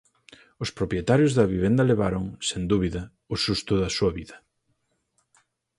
Os propietarios da vivenda levaron, sen dúbida, o susto da súa vida.